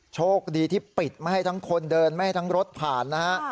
โชคดีที่ปิดไม่ให้ทั้งคนเดินไม่ให้ทั้งรถผ่านนะฮะ